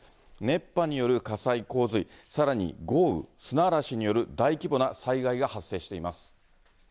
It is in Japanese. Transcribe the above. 熱波による火災、洪水、さらに豪雨、砂嵐による大規模な災害が発生しています。